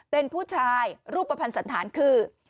เป็นผู้ชายรูปภัณฑ์สันธารคือ